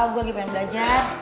gua lagi pengen belajar